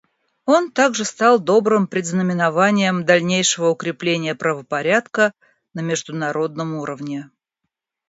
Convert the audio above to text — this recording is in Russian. Он также стал добрым предзнаменованием дальнейшего укрепления правопорядка на международном уровне.